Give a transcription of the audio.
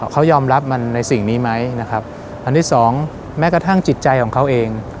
เขายอมรับมันในสิ่งนี้ไหมนะครับอันที่สองแม้กระทั่งจิตใจของเขาเอง